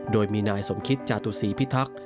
โดยมีนายสมคิตจาตุศีพิทักษ์